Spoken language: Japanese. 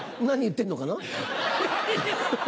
何言ってんのかな？